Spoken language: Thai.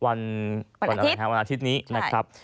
วันอาทิตย์วันอาทิตย์นี้นะครับ